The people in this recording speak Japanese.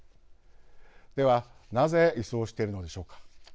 ではなぜ移送しているのでしょうか。